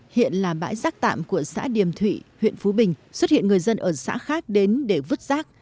hiện là bãi rác tạm của xã điềm thụy huyện phú bình xuất hiện người dân ở xã khác đến để vứt rác